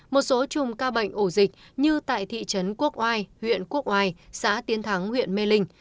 một số chùm ca bệnh ổ dịch như tại thị trấn quốc oai huyện quốc oai xã tiến thắng huyện mê linh